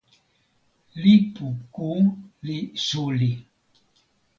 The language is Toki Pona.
lipu ku li suli.